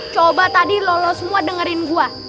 coba tadi lo semua dengerin gua